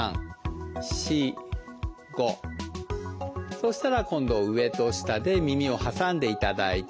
そうしたら今度上と下で耳を挟んでいただいて。